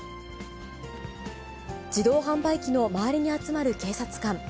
自動販売機の周りに集まる警察官。